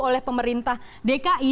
oleh pemerintah dki